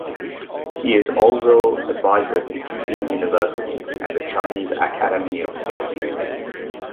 He is also advisor to Peking University and the Chinese Academy of Sciences.